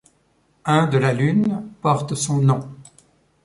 Un de la Lune porte son nom.